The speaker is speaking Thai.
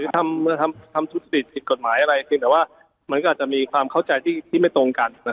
ที่จะทำทุศิษย์กฏหมายอะไรแต่ว่ามันก็จะมีความเข้าใจที่ไม่ตรงกัน